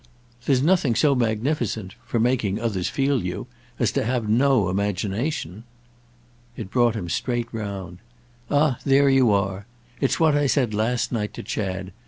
"There's nothing so magnificent—for making others feel you—as to have no imagination." It brought him straight round. "Ah there you are! It's what I said last night to Chad.